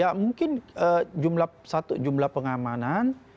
ya mungkin jumlah satu jumlah pengamanan